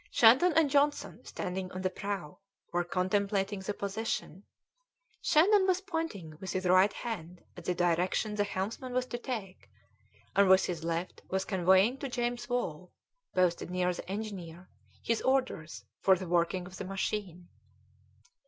Shandon and Johnson, standing on the prow, were contemplating the position. Shandon was pointing with his right hand at the direction the helmsman was to take, and with his left was conveying to James Wall, posted near the engineer, his orders for the working of the machine.